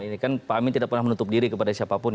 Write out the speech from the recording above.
ini kan pak amin tidak pernah menutup diri kepada siapapun